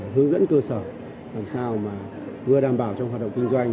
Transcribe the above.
hướng dẫn cơ sở làm sao mà vừa đảm bảo trong hoạt động kinh doanh